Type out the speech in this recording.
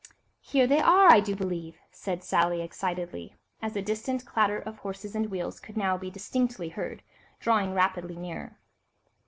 "Here they are, I do believe," said Sally, excitedly, as a distant clatter of horses and wheels could now be distinctly heard, drawing rapidly nearer.